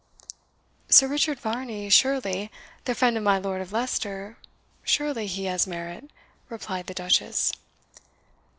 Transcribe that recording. "Sir Richard Varney, surely the friend of my Lord of Leicester surely he has merit," replied the Duchess.